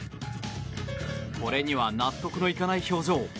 これには納得のいかない表情。